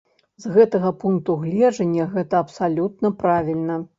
З гэтага пункту гледжання, гэта абсалютна правільна.